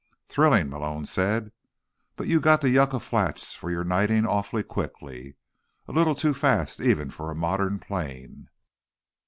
"Thrilling," Malone said. "But you got to Yucca Flats for your knighting awfully quickly, a little too fast even for a modern plane."